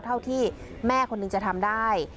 เท่าที่แม่คนหนึ่งจะทำได้